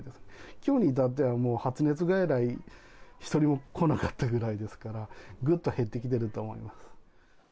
きょうに至っては、もう発熱外来、一人も来なかったぐらいですから、ぐっと減ってきてると思います。